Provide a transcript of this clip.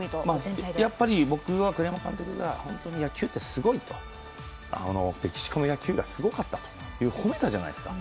やっぱり僕は栗山監督が野球ってすごいとメキシコの野球がすごかったと褒めたじゃないですか。